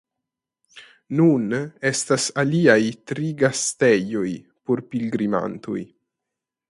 Nun estas aliaj tri gastejoj por pilgrimantoj.